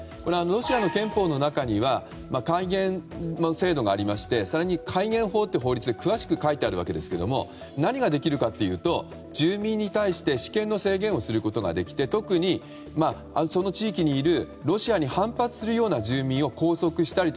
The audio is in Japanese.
ロシアの憲法の中には戒厳の制度がありまして更に戒厳法ということで詳しく書いてあるわけですが何ができるかというと住民に対して私権の制限をすることができて特に、その地域にいるロシアに反発するような住民を拘束したり